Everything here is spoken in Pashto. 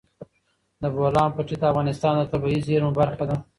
د بولان پټي د افغانستان د طبیعي زیرمو برخه ده.